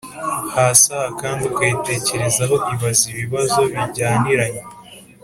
hasi aha kandi ukayitekerezaho Ibaze ibibazo bijyaniranye